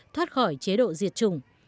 thoát khỏi chế độ diệt chủng